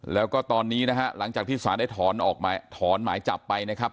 แล้วก็ตอนนี้นะฮะหลังจากที่สารได้ถอนออกถอนหมายจับไปนะครับ